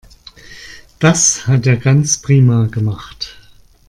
Das hat er ganz prima gemacht.